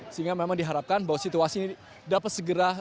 sehingga memang diharapkan bahwa situasi ini dapat segera